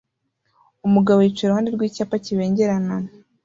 Umugabo yicaye iruhande rw'icyapa kibengerana